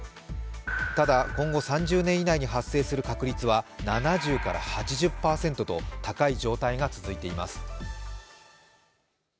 ただ、今後３０年以内に発生する確率は７０から８０％と、高い状態が続いています。